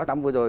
năm vừa rồi